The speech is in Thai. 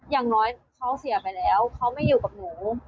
อย่างน้อยเขาเสียไปแล้วเขาไม่อยู่กับหนู